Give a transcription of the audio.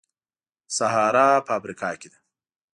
سهارا په افریقا کې ده.